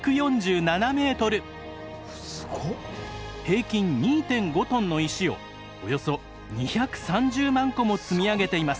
平均２．５トンの石をおよそ２３０万個も積み上げています。